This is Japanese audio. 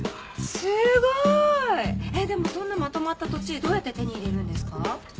すごい！えっでもそんなまとまった土地どうやって手に入れるんですか？